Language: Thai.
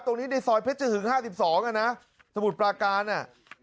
ตรงนี้ในซอยเผ็ดเจ่อถึง๕๒อ่ะนะสมุดปลากาน่ะ